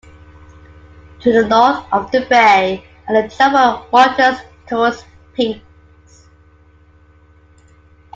To the north of the bay are the jumbled Montes Taurus peaks.